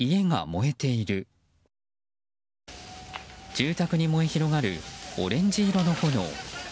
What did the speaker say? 住宅に燃え広がるオレンジ色の炎。